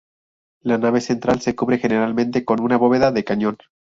La nave central se cubre generalmente con una bóveda de cañón.